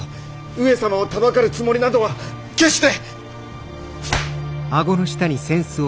上様をたばかるつもりなどは決して！